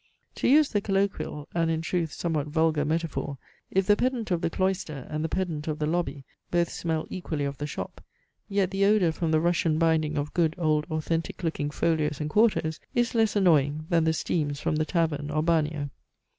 To use the colloquial (and in truth somewhat vulgar) metaphor, if the pedant of the cloister, and the pedant of the lobby, both smell equally of the shop, yet the odour from the Russian binding of good old authentic looking folios and quartos is less annoying than the steams from the tavern or bagnio.